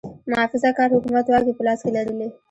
محافظه کار حکومت واګې په لاس کې لرلې.